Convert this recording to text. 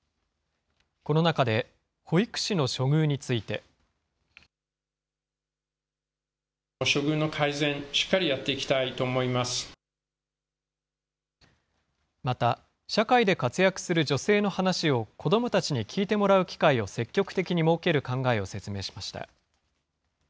この中で、保育士の処遇について。また、社会で活躍する女性の話を子どもたちに聞いてもらう機会を積極的に設ける考えを説明しました。